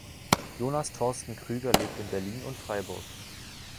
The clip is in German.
Jonas Torsten Krüger lebt in Berlin und Freiburg.